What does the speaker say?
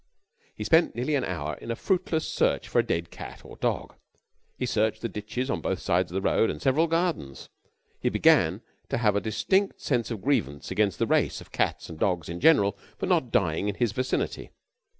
He spent nearly an hour in a fruitless search for a dead cat or dog. He searched the ditches on both sides of the road and several gardens. He began to have a distinct sense of grievance against the race of cats and dogs in general for not dying in his vicinity.